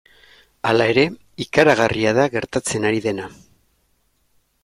Hala ere, ikaragarria da gertatzen ari dena.